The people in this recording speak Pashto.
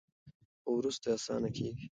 خو وروسته اسانه کیږي.